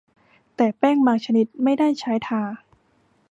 แต่แป้งบางชนิดไม่ได้ใช้ทา